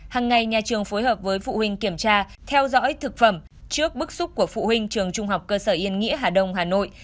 hằng ngày nhà trường phối hợp với phụ huynh kiểm tra theo dõi thực phẩm trước bức xúc của phụ huynh trường trung học cơ sở yên nghĩa hà đông hà nội